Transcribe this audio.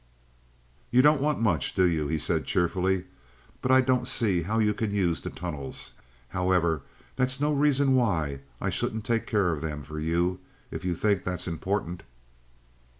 "You don't want much, do you?" he said, cheerfully. "But I don't see how you can use the tunnels. However, that's no reason why I shouldn't take care of them for you, if you think that's important."